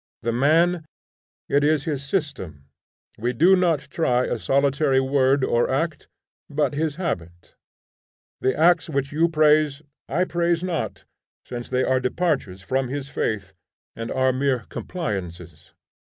The man, it is his system: we do not try a solitary word or act, but his habit. The acts which you praise, I praise not, since they are departures from his faith, and are mere compliances.